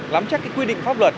nắm chắc cái quy định pháp luật